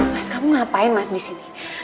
mas kamu ngapain mas di sini